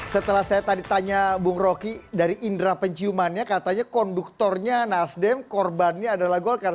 setelah saya tadi tanya bung rocky dari indera penciumannya katanya konduktornya nasdem korbannya adalah golkar